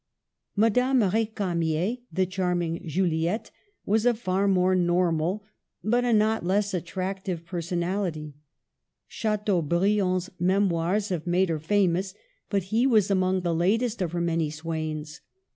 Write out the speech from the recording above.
Madame R^camier, the charming Juliette, was a far more normal, but a not less attractive per son. Chateaubriand's memoirs have made her famous, but he was among the latest of her many swains.